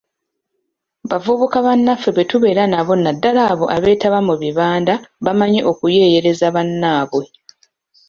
Bavubuka bannaffe be tubeera nabo naddala abo abeetaba mu bibanda bamanyi okuyeeyereza bannaabwe.